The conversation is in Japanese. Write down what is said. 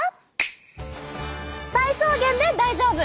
最小限で大丈夫。